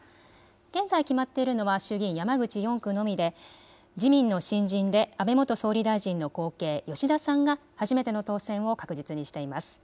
現在決まっているのは衆議院山口４区のみで自民の新人で安倍元総理大臣の後継、吉田さんが初めての当選を確実にしています。